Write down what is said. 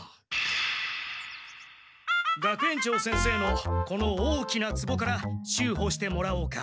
学園長先生のこの大きなつぼから修補してもらおうか。